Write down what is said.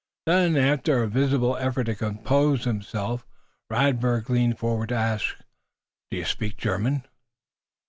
Then, after a visible effort to compose himself, Radberg leaned forward to ask: "Do you speak German?"